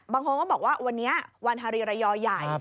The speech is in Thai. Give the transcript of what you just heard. บางคนก็บอกว่าวันนี้วันฮารีระยอใหญ่